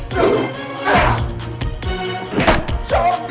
tidak tidak tidak